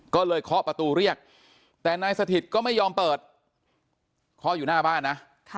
ก็เลยเคาะประตูเรียกแต่นายสถิตก็ไม่ยอมเปิดเคาะอยู่หน้าบ้านนะ